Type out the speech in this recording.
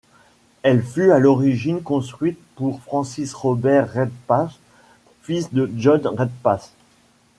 Elle fut à l’origine construite pour Francis Robert Redpath, fils de John Redpath.